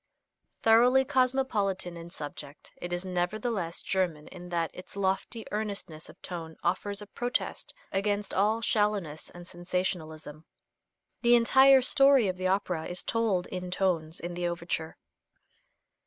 Thoroughly cosmopolitan in subject, it is nevertheless German in that its lofty earnestness of tone offers a protest against all shallowness and sensationalism. The entire story of the opera is told in tones in the overture.